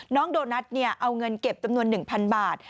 โดนัทเอาเงินเก็บจำนวน๑๐๐บาท